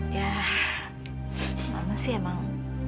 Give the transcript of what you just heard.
yah mama sih emang